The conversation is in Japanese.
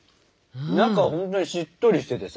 中ほんとにしっとりしててさ。